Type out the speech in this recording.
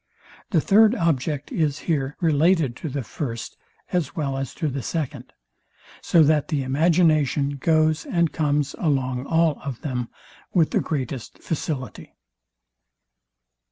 The third object is here related to the first, as well as to the second; so that the imagination goes and comes along all of them with the greatest facility.